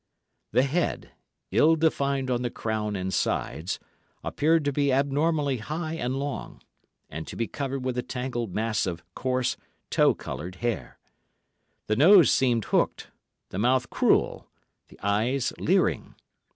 The head, ill defined on the crown and sides, appeared to be abnormally high and long, and to be covered with a tangled mass of coarse, tow coloured hair; the nose seemed hooked, the mouth cruel, the eyes leering.